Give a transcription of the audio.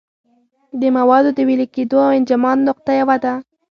د موادو د ویلې کېدو او انجماد نقطه یوه ده.